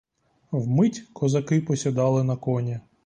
Вмить козаки посідали на коні.